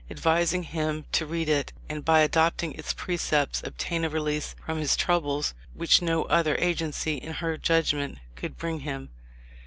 217 advising him to read it and by adopting its precepts obtain a release from his troubles which no other agency, in her judgment, could bring him.